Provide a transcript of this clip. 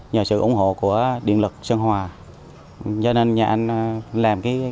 nhờ sự ủng hộ của điện lực sơn hòa do nên nhà em làm cái